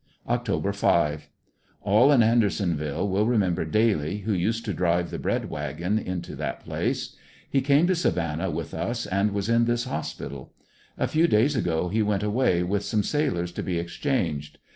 Oct. 5. — All in Andersonville will remember Daly, who used to drive the bread wagon into that place. He came to Savannah with us and was in this hospital; a few days ago he went away with ANDERSONYILLE DIARY. ' 101 some sailors to be exchanged.